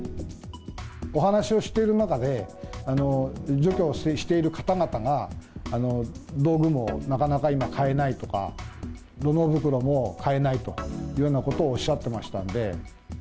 お話をしてる中で、除去している方々が、道具もなかなか今、買えないとか、土のう袋も買えないというようなことをおっしゃってましたんで。